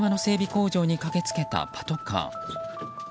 工場に駆け付けたパトカー。